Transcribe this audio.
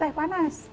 kan ini teh panas